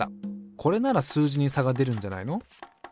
これなら数字に差が出るんじゃないの？